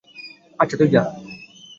আচ্ছা, তুই যা।